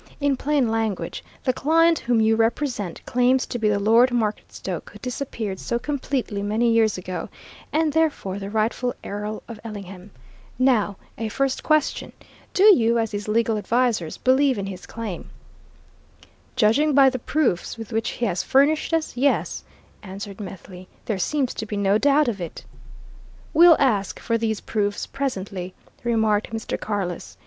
In plain language, the client whom you represent claims to be the Lord Marketstoke who disappeared so completely many years ago, and therefore the rightful Earl of Ellingham. Now, a first question do you, as his legal advisers, believe in his claim?" "Judging by the proofs with which he has furnished us, yes," answered Methley. "There seems to be no doubt of it." "We'll ask for these proofs presently," remarked Mr. Carless.